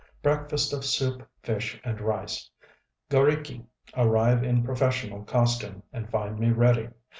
Breakfast of soup, fish, and rice. G┼Źriki arrive in professional costume, and find me ready.